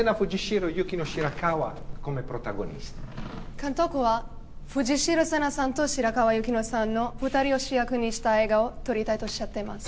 監督は藤代瀬那さんと白川雪乃さんの２人を主役にした映画を撮りたいとおっしゃっています。